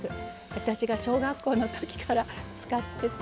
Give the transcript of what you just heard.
私が小学校の時から使ってた。